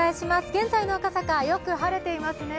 現在の赤坂、よく晴れていますね。